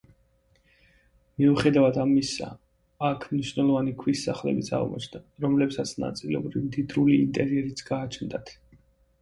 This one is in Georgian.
მიუხედავად ამისა, აქ მნიშვნელოვანი ქვის სახლებიც აღმოჩნდა, რომლებსაც ნაწილობრივ მდიდრული ინტერიერიც გააჩნდათ.